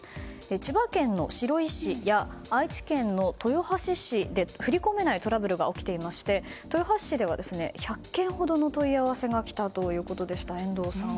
千葉県の白井市や愛知県の豊橋市で振り込めないトラブルが起きていまして豊橋市では１００件ほどの問い合わせが来たということでした。